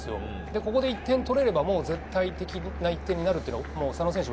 ここで１点取れれば絶対的な１点になるのは佐野選手は